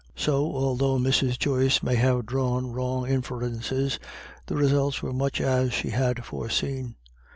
So, although Mrs. Joyce may have drawn wrong inferences, the results were much as she had foreseen.